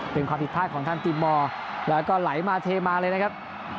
เป็นความผิดพลาดของทางทีมมอร์แล้วก็ไหลมาเทมาเลยนะครับ